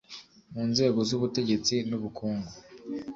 mu nzego z'ubutegetsi n'ubukungu